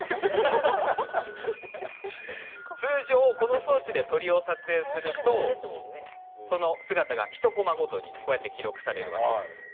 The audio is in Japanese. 通常この装置で鳥を撮影するとその姿が１コマごとに記録されます。